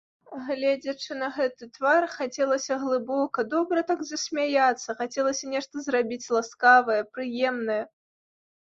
Гледзячы на гэты твар, хацелася глыбока, добра так засмяяцца, хацелася нешта зрабіць ласкавае, прыемнае.